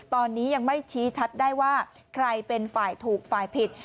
ตอนนี้ยังไม่ชี้ชัดได้ว่าใครเป็นฝ่ายถูกฝ่ายผิด